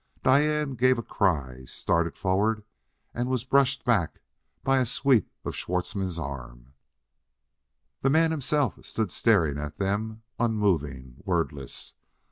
Diane gave a cry, started forward, and was brushed back by a sweep of Schwartzmann's arm. The man himself stood staring at them, unmoving, wordless.